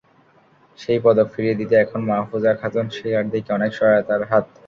সেই পদক ফিরিয়ে দিতে এখন মাহফুজা খাতুন শিলার দিকে অনেক সহায়তার হাত।